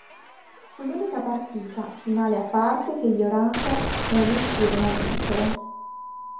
Fu l'unica partita, finale a parte, che gli "Oranje" non riuscirono a vincere.